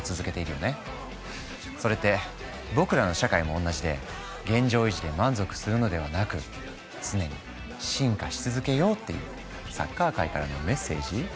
それって僕らの社会もおんなじで現状維持で満足するのではなく常に進化し続けようっていうサッカー界からのメッセージ？